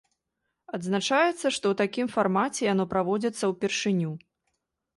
Адзначаецца, што ў такім фармаце яно праводзіцца ўпершыню.